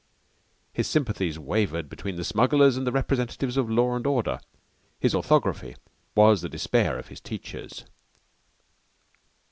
His sympathies wavered between the smugglers and the representatives of law and order. His orthography was the despair of his teachers.